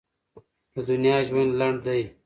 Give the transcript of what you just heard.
د دنیا ژوند لنډ دی.